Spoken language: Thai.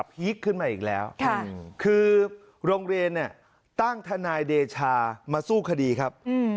คขึ้นมาอีกแล้วคือโรงเรียนเนี่ยตั้งทนายเดชามาสู้คดีครับ